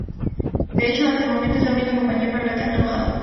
De hecho, hasta el momento es la única compañía para la que ha trabajado.